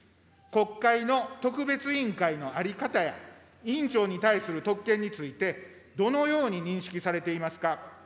国会の特別委員会の在り方や、委員長に対する特権について、どのように認識されていますか。